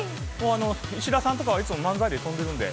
石田さんとかはいつも漫才で跳んでるんで。